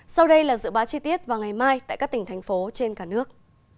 sau đây là dự báo chi tiết vào ngày mai tại các tỉnh thành phố trên cả nước